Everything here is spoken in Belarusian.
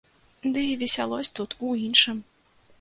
Ды і весялосць тут у іншым.